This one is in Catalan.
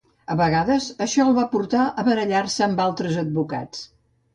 A vegades, això el va portar a barallar-se amb altres advocats.